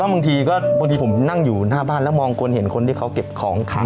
บางทีก็บางทีผมนั่งอยู่หน้าบ้านแล้วมองคนเห็นคนที่เขาเก็บของขัง